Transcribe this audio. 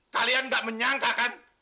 kalian gak menyangka kan